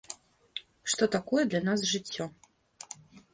Што такое для нас жыццё.